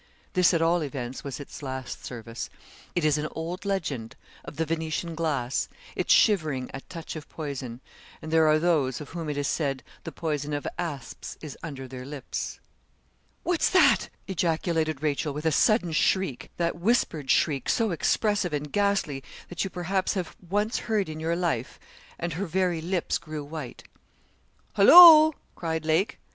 This, at all events, was its last service. It is an old legend of the Venetian glass its shivering at touch of poison; and there are those of whom it is said, 'the poison of asps is under their lips.' 'What's that?' ejaculated Rachel, with a sudden shriek that whispered shriek, so expressive and ghastly, that you, perhaps, have once heard in your life and her very lips grew white. 'Hollo!' cried Lake.